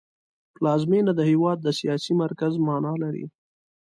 پلازمېنه د هېواد د سیاسي مرکز مانا لري